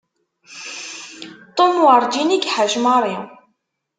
Tom werǧin i iḥac Mary.